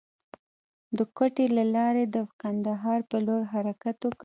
د کوټې له لارې د کندهار پر لور حرکت وکړ.